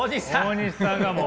大西さんがもう。